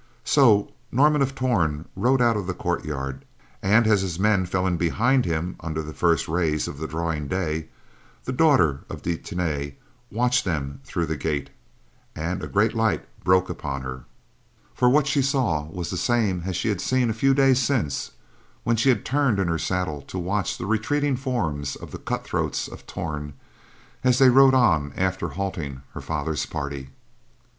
So Norman of Torn rode out of the courtyard; and as his men fell in behind him under the first rays of the drawing day, the daughter of De Tany watched them through the gate, and a great light broke upon her, for what she saw was the same as she had seen a few days since when she had turned in her saddle to watch the retreating forms of the cut throats of Torn as they rode on after halting her father's party.